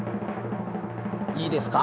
いいですか？